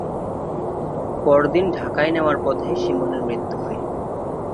পরদিন ঢাকায় নেওয়ার পথে শিমুলের মৃত্যু হয়।